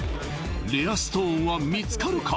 レアストーンは見つかるか？